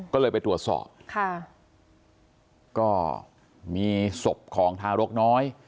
ก็เลยไปตรวจสอบค่ะก็มีศพของทารกน้อย